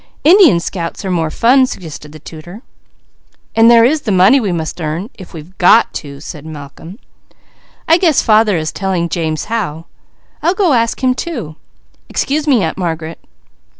"Indian scouts are more fun," suggested the tutor. "And there is the money we must earn, if we've got to," said Malcolm. "I guess father is telling James how. I'll go ask him too. Excuse me, Aunt Margaret!"